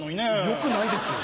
よくないですよ